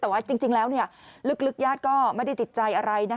แต่ว่าจริงแล้วลึกญาติก็ไม่ได้ติดใจอะไร